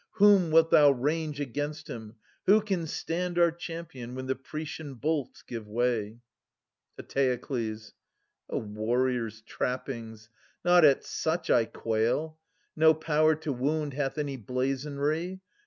Whom wilt thou range against him ? Who can stand Our champion, when the Proetian bolts give way ? Eteokles. A warrior's trappings !— Not at such I quail : No power to wound hath any blazonry.